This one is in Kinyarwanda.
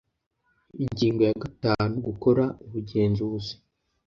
Ingingo ya gatanu Gukora ubugenzuzi